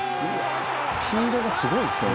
スピードがすごいですよね。